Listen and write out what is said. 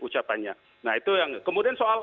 ucapannya nah itu yang kemudian soal